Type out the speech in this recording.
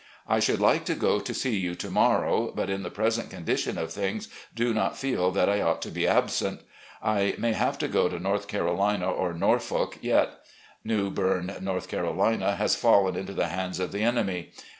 I should like to go to see you to morrow, but in the present condition of things do not feel that I ought to be absent. .. I may have to go to North Carolina or Norfolk yet. New Berne, N. C., has fallen into the hands of the enemy.